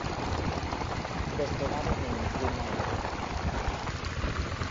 Despegaron en un clima helado.